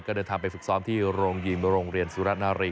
ก็เดินทางไปฝึกซ้อมที่โรงยิมโรงเรียนสุรนารี